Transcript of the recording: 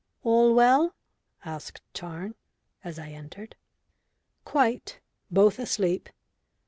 "All well?" asked Tarn, as I entered. "Quite. Both asleep."